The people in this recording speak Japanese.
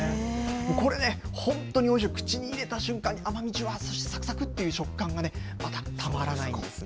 これね、本当においしくて、口に入れた瞬間に甘みじゅわっ、そしてさくさくっていう食感がね、またたまらないんですね。